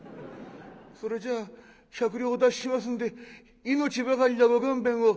それじゃあ百両お出ししますんで命ばかりはご勘弁を」。